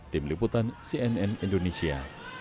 tim liputan cnn indonesia